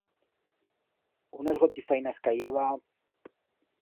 Unas gotifainas cayeba...